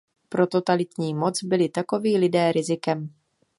Pro totalitní moc byli takoví lidé rizikem.